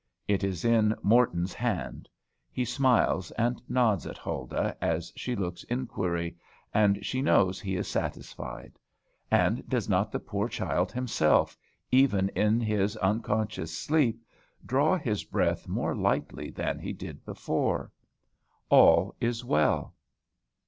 It is in Morton's hand; he smiles and nods at Huldah as she looks inquiry, and she knows he is satisfied. And does not the poor child himself, even in his unconscious sleep, draw his breath more lightly than he did before? All is well.